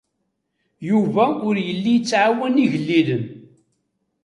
Yuba ur yelli yettɛawan igellilen.